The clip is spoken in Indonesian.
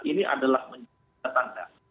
ini adalah menunjukkan tanda